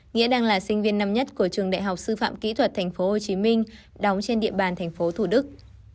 nghĩa đang là sinh viên năm nhất của trường đại học sư phạm kỹ thuật tp hcm đóng trên địa bàn tp thủ đức